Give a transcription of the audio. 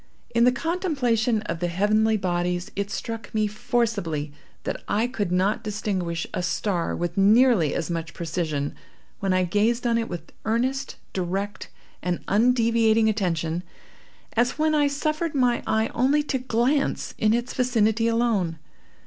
In the contemplation of the heavenly bodies it struck me forcibly that I could not distinguish a star with nearly as much precision, when I gazed on it with earnest, direct and undeviating attention, as when I suffered my eye only to glance in its vicinity alone.